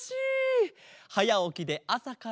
はやおきであさからげんき。